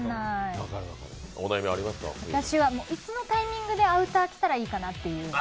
私はいつのタイミングでアウター着たらいいかなっていうのが。